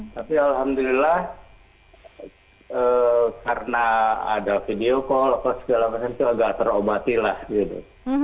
tapi alhamdulillah karena ada video call atau segala macam itu agak terobatilah gitu